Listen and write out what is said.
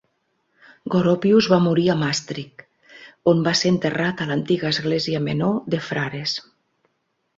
Goropius va morir a Maastricht, on va ser enterrat a l'antiga església menor de frares.